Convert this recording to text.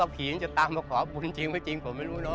ผีจะตามมาขอบุญจริงไม่จริงผมไม่รู้เนอ